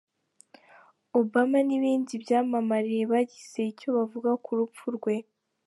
Obama n’ibindi byamamare bagize icyo bavuga ku rupfu rwe.